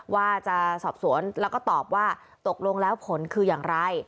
ว่าจะสอบสวนแล้วก็ตอบว่าตกลงแล้วผลคืออย่างไร